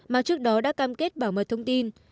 mà trước đó đã cam kết bảo mật thông tin